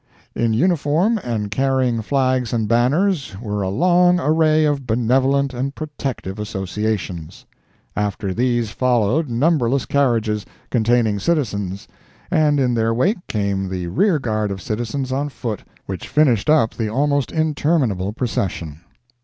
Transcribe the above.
—In uniform, and carrying flags and banners, were a long array of Benevolent and Protective Associations... After these followed numberless carriages, containing citizens, and in their wake came the rear guard of citizens on foot, which finished up the almost interminable Procession.